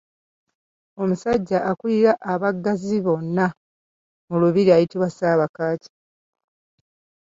Omusajja akulira abaggazi bonna mu lubiri ayitibwa Ssaabakaaki.